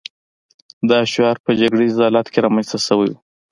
دا شعار په جګړه ییز حالت کې رامنځته شوی و